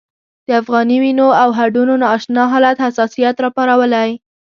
د افغاني وینو او هډونو نا اشنا حالت حساسیت راپارولی.